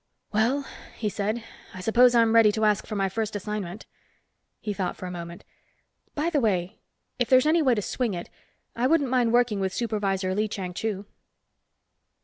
"Well," he said. "I suppose I'm ready to ask for my first assignment." He thought for a moment. "By the way, if there's any way to swing it, I wouldn't mind working with Supervisor Lee Chang Chu."